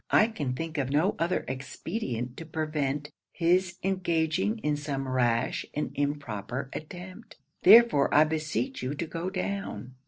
I can think of no other expedient to prevent his engaging in some rash and improper attempt; therefore I beseech you to go down.'